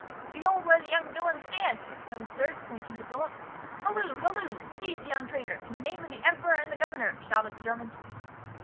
"Behold where the young villain stands," exclaimed a third, pointing to Philip. "Hallo, hallo! seize the young traitor, in the name of the Emperor and the governor!" shouted the Germans.